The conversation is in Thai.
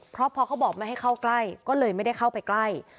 เพราะพอเขาบอกไม่ให้เข้าใกล้ก็เลยไม่ได้เข้าไปใกล้